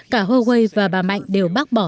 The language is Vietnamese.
cả huawei và bà mạnh đều bác bỏ